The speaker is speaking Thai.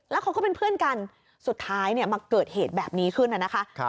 แล้วเขาก็เป็นเพื่อนกันสุดท้ายเนี่ยมาเกิดเหตุแบบนี้ขึ้นนะคะ